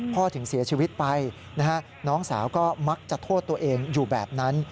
ถึงเสียชีวิตไปนะฮะน้องสาวก็มักจะโทษตัวเองอยู่แบบนั้น